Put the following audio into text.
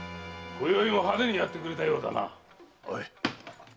今宵も派手にやってくれたようだな。